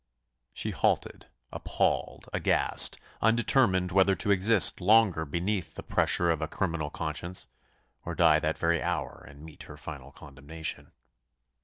She halted, appalled, aghast, undetermined whether to exist longer beneath the pressure of a criminal conscience, or die that very hour, and meet her final condemnation.